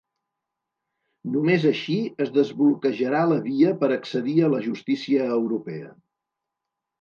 Només així es desbloquejarà la via per accedir a la justícia europea.